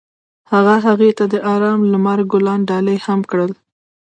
هغه هغې ته د آرام لمر ګلان ډالۍ هم کړل.